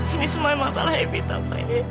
ini semua emang salah evita pak